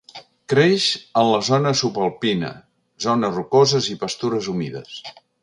Creix en la zona subalpina, zones rocoses i pastures humides.